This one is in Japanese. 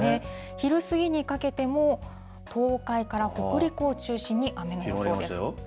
昼過ぎにかけても、東海から北陸を中心に雨の予想です。